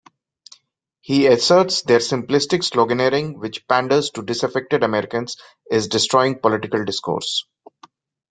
He asserts their simplistic sloganeering which panders to disaffected Americans is destroying political discourse.